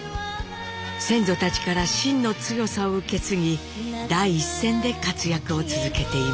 先祖たちからしんの強さを受け継ぎ第一線で活躍を続けています。